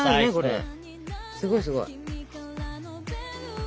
すごいすごい。